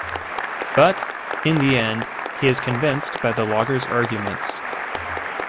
But in the end, he is convinced by the logger's arguments.